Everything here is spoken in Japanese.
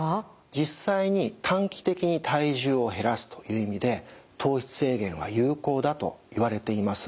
実際に短期的に体重を減らすという意味で糖質制限は有効だといわれています。